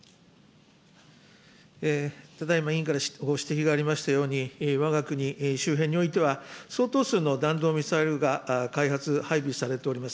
ただいま委員からご指摘ありましたように、わが国周辺においては、相当数の弾道ミサイルが開発、配備されております。